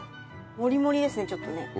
盛り盛りですねちょっとね。